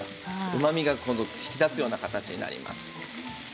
うまみが引き立つような形になります。